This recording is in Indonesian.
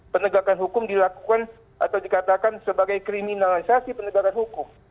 penegakan hukum dilakukan atau dikatakan sebagai kriminalisasi penegakan hukum